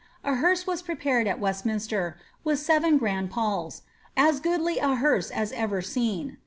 A hearse Wis prepared at Westminster, " with seven grand palls,'' as goodly a hear»e as ever seen."